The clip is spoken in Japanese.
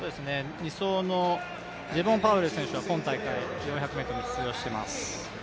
２走のパウエル選手は今大会４００ｍに出場しています。